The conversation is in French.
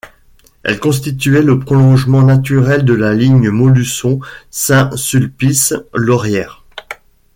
Elle constituait le prolongement naturel de la Ligne Montluçon - Saint-Sulpice-Laurière.